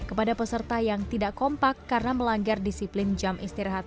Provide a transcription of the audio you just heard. kepada peserta yang tidak kompak karena melanggar disiplin jam istirahat